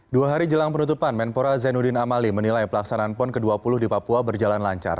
dua hari jelang penutupan menpora zainuddin amali menilai pelaksanaan pon ke dua puluh di papua berjalan lancar